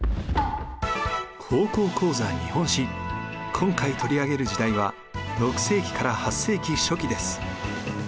今回取り上げる時代は６世紀から８世紀初期です。